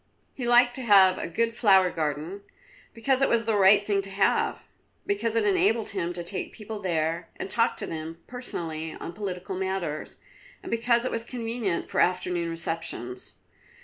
He liked to have a good flower garden, because it was the right thing to have, because it enabled him to take people there and talk to them personally on political matters, and because it was convenient for afternoon receptions.